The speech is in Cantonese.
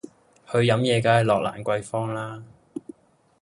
去飲嘢梗係落蘭桂芳啦